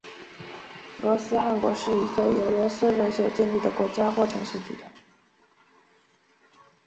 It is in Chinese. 罗斯汗国是一个由罗斯人所建立的国家或城市集团。